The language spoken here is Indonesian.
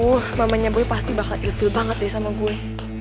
aduh mamanya boy pasti bakalan ilfil banget deh sama gue